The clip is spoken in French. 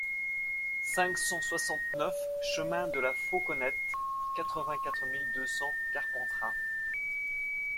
cinq cent soixante-neuf chemin de la Fauconnette, quatre-vingt-quatre mille deux cents Carpentras